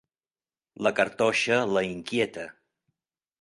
La cartoixa la inquieta.